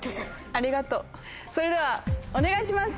それではお願いします！